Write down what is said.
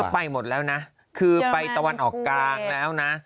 ไปทุกทวีปแล้วนะ